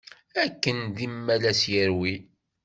Akken d imalas yerwin!